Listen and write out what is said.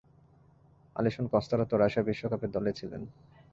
Alisson কস্তারা তো Russia বিশ্বকাপের দলেই ছিলেন।